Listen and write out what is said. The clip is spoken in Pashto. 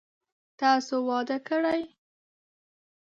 تاسو واده کړئ ؟